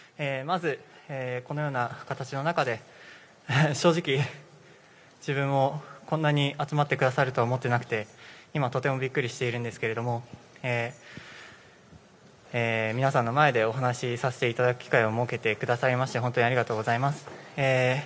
まず、このような形の中で正直、自分もこんなに集まってくださるとは思っていなくて今とてもびっくりしているんですけれども、皆さんの前でお話させていただく機会を設けてくださいまして本当にありがとうございます。